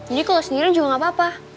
jadi kalau sendirian juga gapapa